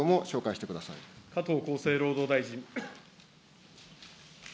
加藤厚生労働大臣。